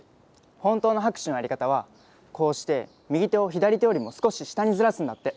本当の拍手のやり方はこうして右手を左手よりも少し下にずらすんだって。